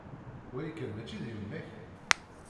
Wali kan! Mačči d yemma-k?